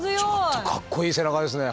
ちょっとかっこいい背中ですね。